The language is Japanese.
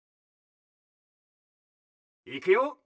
いくよ。